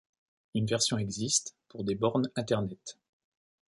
Une version existe pour des bornes internet.